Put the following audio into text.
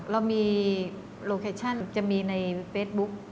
เรามีโลเคชั่นจะมีในเฟซบุ๊ก